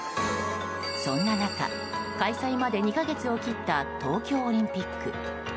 そんな中開催まで２か月を切った東京オリンピック。